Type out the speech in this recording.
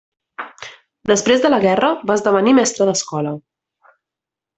Després de la guerra va esdevenir mestre d'escola.